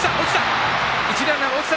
落ちた！